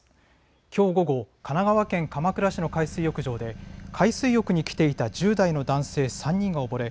きょう午後、神奈川県鎌倉市の海水浴場で海水浴に来ていた１０代の男性３人が溺れ